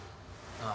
ああ。